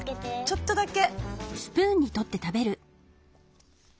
ちょっとだけ。